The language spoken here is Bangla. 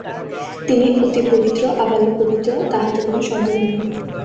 তিনি অতি পবিত্র, আবাল্য পবিত্র, তাহাতে কোন সন্দেহ নাই।